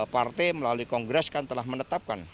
partai melalui kongres kan telah menetapkan